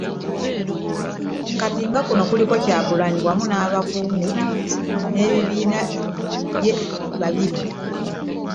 Kati nga kuno kuliko Kyagulanyi awamu n'abakungu b'ekibiina kye babiri.